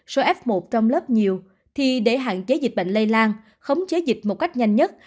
số f một trong lớp nhiều thì để hạn chế dịch bệnh lây lan khống chế dịch một cách nhanh nhất